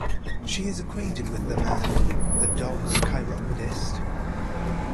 She is acquainted with the man, the dogs' chiropodist.